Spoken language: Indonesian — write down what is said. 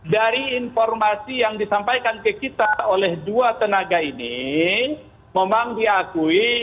dari informasi yang disampaikan ke kita oleh dua tenaga ini memang diakui